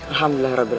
alhamdulillah radu alami